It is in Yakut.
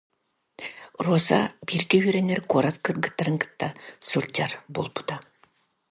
Роза бииргэ үөрэнэр куорат кыргыттарын кытта сылдьар буолбута